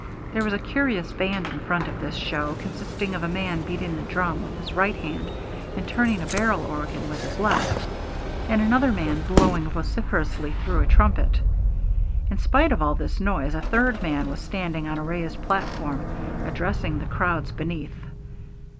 There was a curious band in front of this show, consisting of a man beating a drum with his right hand and turning a barrel organ with his left, and another man blowing vociferously through a trumpet. In spite of all this noise, a third man was standing on a raised platform, addressing the crowds beneath.